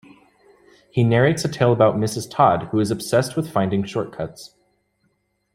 He narrates a tale about Mrs. Todd, who is obsessed with finding shortcuts.